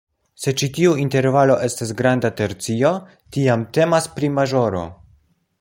Se ĉi tiu intervalo estas granda tercio, tiam temas pri maĵoro.